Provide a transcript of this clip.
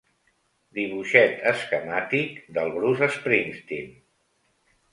Dibuixet esquemàtic del Bruce Springsteen.